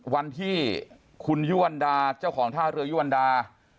วันที่คุณยุวันดาเจ้าของท่าเรือยุวรรดา